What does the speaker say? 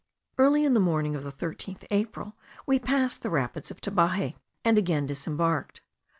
Early in the morning of the 13th April we passed the rapids of Tabaje, and again disembarked.